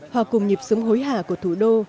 hòa cùng nhịp sống hối hả của thủ đô